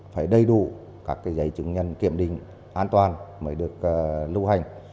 phải đầy đủ các giấy chứng nhận kiểm định an toàn mới được lưu hành